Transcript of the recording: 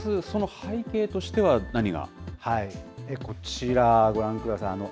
この背景としては、こちら、ご覧ください。